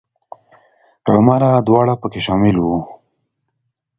عمره دواړه په کې شامل وو.